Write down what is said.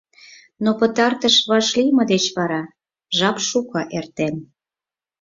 Но пытартыш вашлийме деч вара жап шуко эртен.